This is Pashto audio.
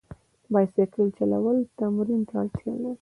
بایسکل چلول تمرین ته اړتیا لري.